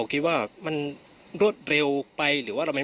มันไม่ใช่แหละมันไม่ใช่แหละ